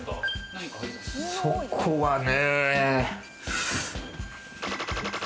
そこはね、○○。